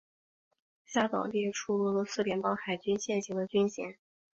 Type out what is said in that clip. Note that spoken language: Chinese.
下表列出俄罗斯联邦海军现行的军衔。